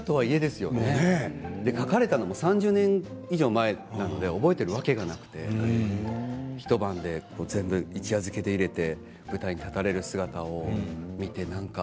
書かれたのも３０年以上前なので覚えてるわけがなくて一晩で全部一夜漬けで入れて舞台に立たれる姿を見て。